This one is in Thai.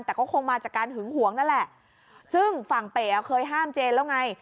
แต่ก็คงมาจากการหึงหวงนั่นแหละซึ่งฝั่งเป๋เคยห้ามเจนแล้วไง